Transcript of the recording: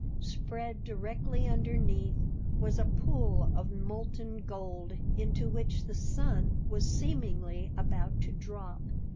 Spread directly underneath was a pool of molten gold into which the sun was seemingly about to drop.